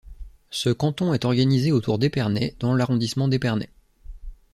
Ce canton est organisé autour d'Épernay dans l'arrondissement d'Épernay.